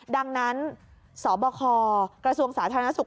ดังนั้นสบคกระทรวงสาธารณสุข